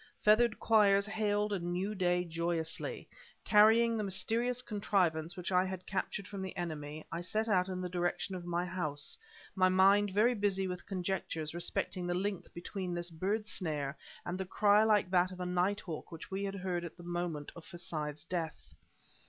Feathered choirs hailed the new day joyously. Carrying the mysterious contrivance which I had captured from the enemy, I set out in the direction of my house, my mind very busy with conjectures respecting the link between this bird snare and the cry like that of a nighthawk which we had heard at the moment of Forsyth's death.